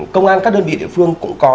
công an các đơn vị địa phương cũng có